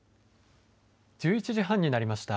１１時半になりました。